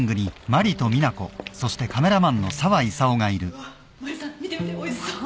うわっマリさん見て見ておいしそう！